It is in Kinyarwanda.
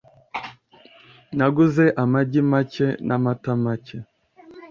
Naguze amagi make n'amata make .